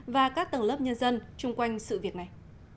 và các tầng lớp nhân dân chung quanh sự việc này